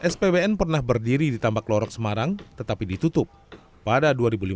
spbn pernah berdiri di tambak lorok semarang tetapi ditutup pada dua ribu lima belas